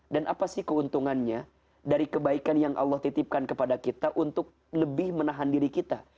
dan apa sih keuntungannya dari kebaikan yang allah titipkan kepada kita untuk lebih menahan diri kita